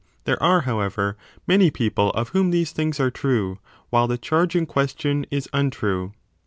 There are, however, many people of whom these things are true, while the charge in question is untrue.